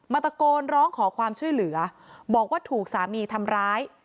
ตะโกนร้องขอความช่วยเหลือบอกว่าถูกสามีทำร้าย